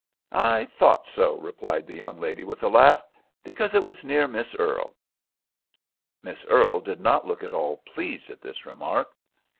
"I thought so," replied the young lady, with a laugh, "because it was near Miss Earle." Miss Earle did not look at all pleased at this remark.